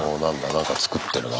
なんか作ってるな。